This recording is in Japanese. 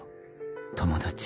友達？